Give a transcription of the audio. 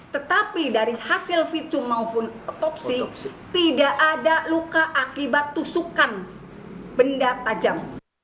tetapi dari hasil visum maupun otopsi tidak ada luka akibat tusukan benda tajam